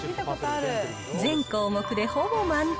全項目でほぼ満点。